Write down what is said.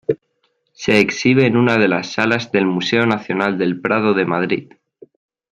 Se exhibe en una de las salas del Museo Nacional del Prado de Madrid.